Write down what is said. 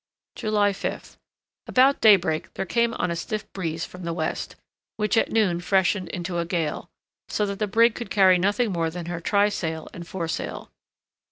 July 5th. About daybreak there came on a stiff breeze from the west, which at noon freshened into a gale, so that the brig could carry nothing more than her trysail and foresail.